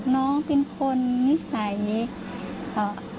น้องเป็นคนมิสัยนี้